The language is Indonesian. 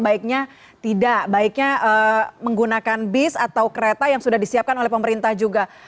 baiknya tidak baiknya menggunakan bis atau kereta yang sudah disiapkan oleh pemerintah juga